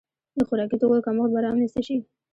د خوراکي توکو کمښت به رامنځته شي.